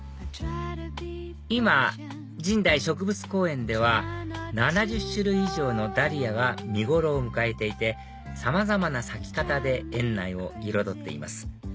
今神代植物公園では７０種類以上のダリアが見頃を迎えていてさまざまな咲き方で園内を彩っています